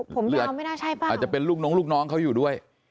ผมยาวไม่น่าใช่ป่ะอาจจะเป็นลูกน้องลูกน้องเขาอยู่ด้วย